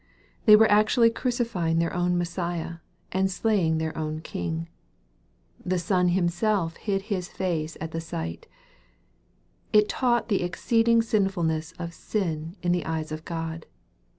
They were actually crucifying their own Messiah, and slaying their own King. The sun himself hid his face at the sight It taught the exceeding sinfulness of sin in the eyes of God.